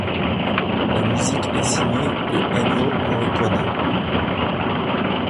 La musique est signée de Ennio Morricone.